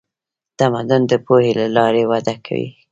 تمدن د پوهې له لارې وده کوي.